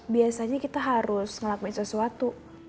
biasanya kita harus ngelakuin sesuatu